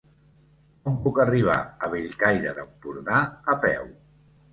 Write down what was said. Com puc arribar a Bellcaire d'Empordà a peu?